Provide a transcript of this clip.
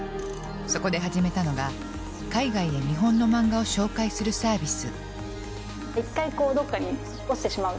そこで始めたのが海外へ日本の漫画を紹介するサービス。